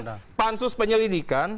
bukan pansus penyelidikan